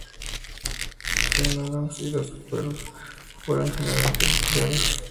Lo defendió John Adams y los cargos fueron finalmente retirados.